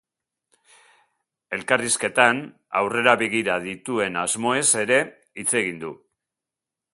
Elkarrizketan, aurrera begira dituen asmoez ere hitz egin du.